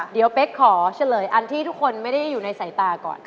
เดี๋ยวเป๊กขอเฉลยอันที่ทุกคนไม่ได้อยู่ในสายตาก่อน